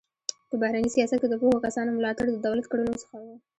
په بهرني سیاست کې د پوهو کسانو ملاتړ د دولت کړنو څخه و.